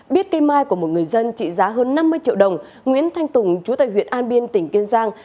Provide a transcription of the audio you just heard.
biết cây mai của một người dân trị giá hơn năm mươi triệu đồng nguyễn thanh tùng chú tại huyện an biên tỉnh kiên giang